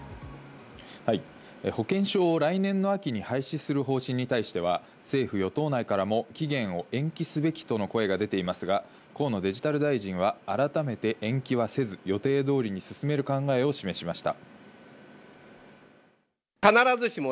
はい、保険証を来年の秋に廃止する方針に対しては、政府・与党内からも期限を延期すべきとの声が出ていますが、河野デジタル大臣は改めて延期はせず、予定通りに進める考えを示しました。